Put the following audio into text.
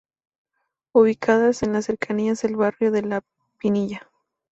Ubicadas en las cercanías del barrio de la Pinilla.